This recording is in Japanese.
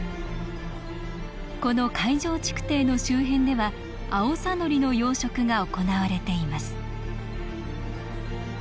この海上築堤の周辺ではアオサノリの養殖が行われています